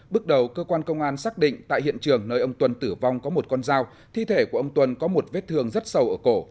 bước đầu cơ quan công an xác định tại hiện trường nơi ông tuân tử vong có một con dao thi thể của ông tuân có một vết thương rất sâu ở cổ